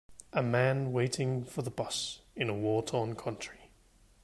A man waiting for the bus in a war torn country